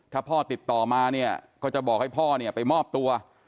ถ้าพ่อติดต่อมาเนี่ยก็จะบอกให้พ่อเนี่ยไปมอบตัว